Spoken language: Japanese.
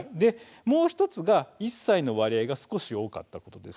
もう１つが、１歳の割合が少し多かったことです。